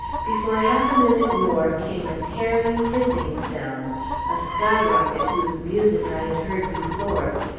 Before half a minute more came a tearing, hissing sound, a sky rocket whose music I had heard before.